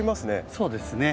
そうですね。